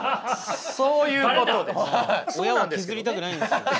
親を削りたくないんです。